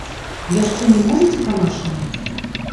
Яшчэ не можаце па-нашаму?